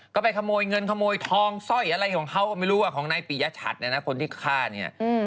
ก็ไปขโมยเงินขโมยทองซ่อยอะไรของเขาไม่รู้เช่าน